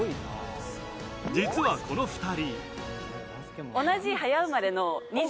実はこの２人。